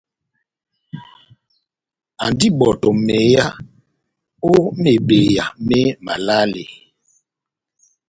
Andi ó ibɔtɔ meyá ó mebeya mé malale.